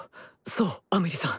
そうアメリさん。